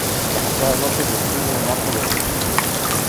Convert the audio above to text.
La fachada norte describe un arco de círculo.